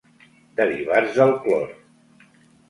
Derivats del clor.